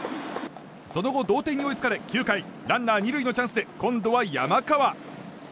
その後、同点に追いつかれ９回ランナー２塁のチャンスで今度は山川。